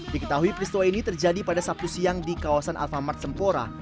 diketahui peristiwa ini terjadi pada sabtu siang di kawasan alfamart sempura